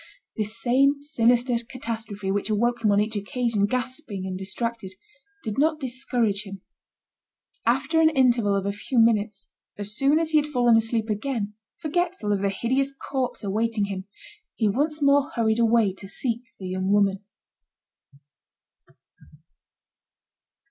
This same sinister catastrophe which awoke him on each occasion, gasping and distracted, did not discourage him. After an interval of a few minutes, as soon as he had fallen asleep again, forgetful of the hideous corpse awaiting him, he once more hurried away to seek the young woman.